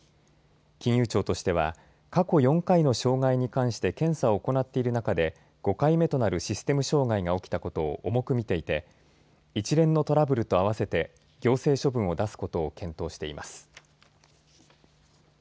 金融庁としては過去４回の障害に関して検査を行っている中で５回目となるシステム障害が起きたことを重く見ていて一連のトラブルと合わせて行政処分を出すことを検討しています。